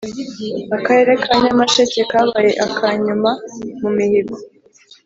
Akarere ka Nyamasheke kabaye akanyuma mu mihigo